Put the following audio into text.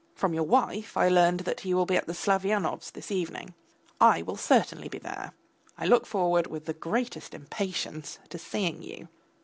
From your wife I learned that you will be at the Slavyanovs' this evening. I will certainly be there. I look forward with the greatest impatience to seeing you.